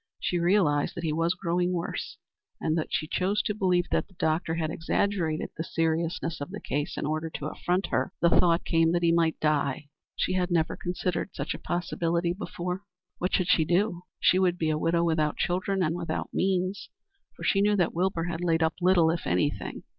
She realized that he was growing worse, and though she chose to believe that the doctor had exaggerated the seriousness of the case in order to affront her, the thought came that he might die. She had never considered such a possibility before. What should she do? She would be a widow without children and without means, for she knew that Wilbur had laid up little if anything.